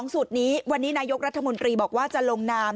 สุดนี้วันนี้นายกรัฐมนตรีบอกว่าจะลงนาม